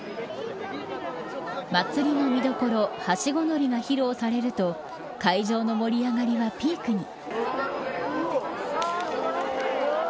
祭りの見どころはしご乗りが披露されると会場の盛り上がりはピークに。